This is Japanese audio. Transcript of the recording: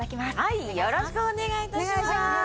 はいよろしくお願い致します。